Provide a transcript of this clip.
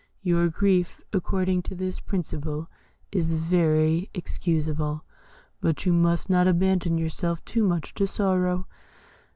Your grief, according to this principle, is very excusable, but you must not abandon yourself too much to sorrow.